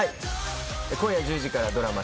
今夜１０時からドラマ